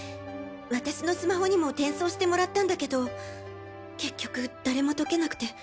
私のスマホにも転送してもらったんだけど結局誰も解けなくて。